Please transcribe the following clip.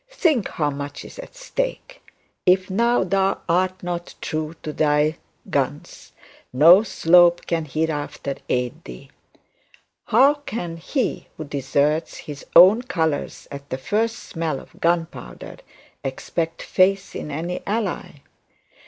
Think how much is at stake. If now thou art not true to thy guns, no Slope can hereafter aid thee. How can he who deserts his own colours at the final smell of gunpowder expect faith in any ally.